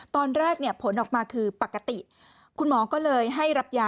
ตอนแรกเนี่ยผลออกมาคือปกติคุณหมอก็เลยให้รับยา